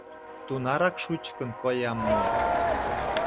Тунарак шучкын коям мо?